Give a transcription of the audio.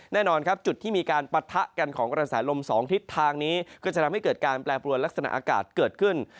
แน่นอนครับจุดที่มีการปะทะกันของกระแสลม๒ทิศทางนี้ก็จะทำให้เกิดการแปรปรวนลักษณะอากาศเกิดขึ้น